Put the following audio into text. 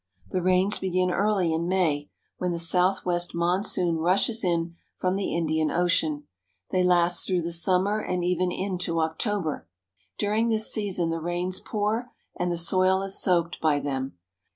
The rains begin early in May, when the southwest monsoon rushes in from the Indian Ocean ; they last through the summer and even into Octo ber. During this season the rains pour and the soil is soaked by them.